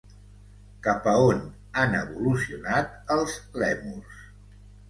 Cap a on han evolucionat els lèmurs?